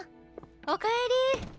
おかえり。